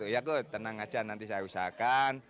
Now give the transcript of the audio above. ya kok tenang aja nanti saya usahakan